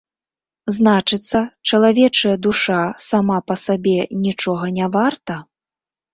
Значыцца, чалавечая душа, сама па сабе, нічога не варта?